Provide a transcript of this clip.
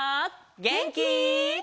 げんき？